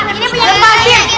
pokoknya ini punya lemah sih